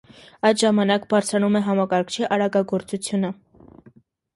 Այդ ժամանակ բարձրանում է համակարգչի արագագործությունը։